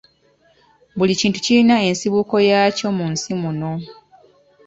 Buli kintu kirina ensibuko yakyo mu nsi muno.